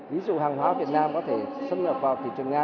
ví dụ hàng hóa việt nam có thể xâm nhập vào thị trường nga